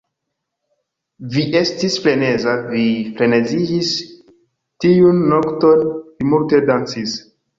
Vi estis freneza. Vi freneziĝis tiun nokton. Vi multe dancis!